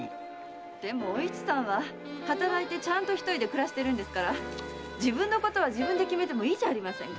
でもおいちさんは働いて一人でちゃんと暮らしてますから自分のことは自分で決めてもいいじゃありませんか。